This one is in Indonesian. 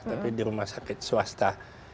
tapi di rumah sakit swasta